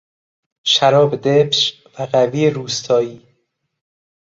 شراب دبش و قوی روستایی